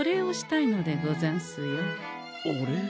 お礼？